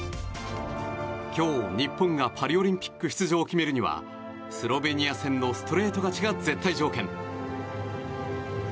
今日、日本がパリオリンピック出場を決めるにはスロベニア戦のストレート勝ちが絶対条件。